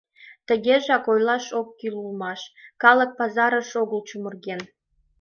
Тыгежак ойлаш ок кӱл улмаш: калык пазарыш огыл чумырген.